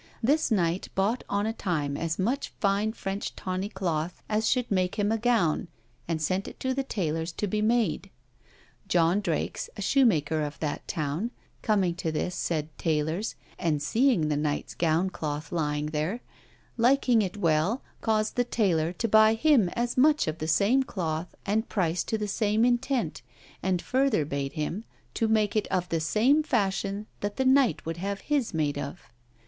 This knight bought on a time as much fine French tawny cloth as should make him a gown, and sent it to the taylor's to be made. John Drakes, a shoemaker of that town, coming to this said taylor's, and seeing the knight's gown cloth lying there, liking it well, caused the taylor to buy him as much of the same cloth and price to the same intent, and further bade him to make it of the same fashion that the knight would have his made of.